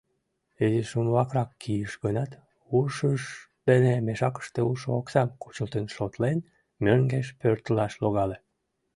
Изиш умбакрак кийыш гынат, ушыж дене мешакыште улшо оксам кучылтын шотлен, мӧҥгеш пӧртылаш логале.